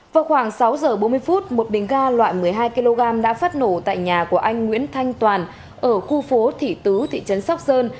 vào khoảng sáu giờ bốn mươi phút một bình ga loại một mươi hai kg đã phát nổ tại nhà của anh nguyễn thanh toàn ở khu phố thị tứ thị trấn sóc sơn